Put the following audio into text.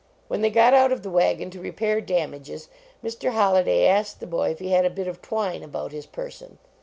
When they got out of the wagon to repair damages, Mr. Holliday asked the boy if he had a bit of twine about his person.